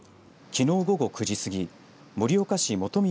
きのう午後９時過ぎ盛岡市本宮